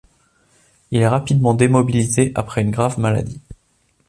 Il est rapidement démobilisé après une grave maladie.